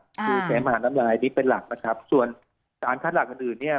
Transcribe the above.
คือเจ๊มหาน้ำลายนี้เป็นหลักนะครับส่วนสารคัดหลักอื่นอื่นเนี่ย